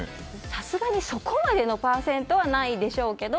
さすがにそこまでのパーセントはないでしょうけど。